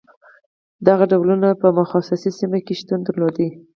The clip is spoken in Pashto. دغو ډولونه په مخصوصو سیمو کې شتون درلود.